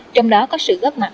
trong đó có sự góp mặt